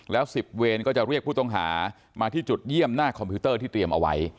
แล้ว๑๐เวรก็จะเรียกผู้ต้องหามาที่จุดเยี่ยมหน้าคอมพิวเตอร์ที่เตรียมเอาไว้